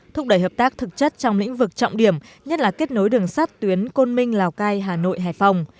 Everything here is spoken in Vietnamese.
thúc đẩy hợp tác thực chất trong lĩnh vực trọng điểm nhất là kết nối đường sắt tuyến côn minh lào cai hà nội hải phòng